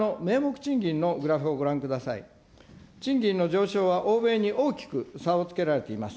賃金の上昇は欧米に大きく差をつけられています。